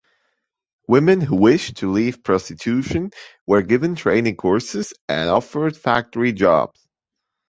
Women who wished to leave prostitution were given training courses and offered factory jobs.